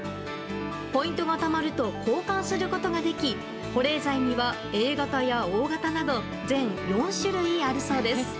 ポイントがたまると交換することができ保冷剤にはＡ型やＯ型など全４種類あるそうです。